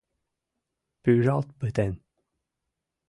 Пӱжалт пытен.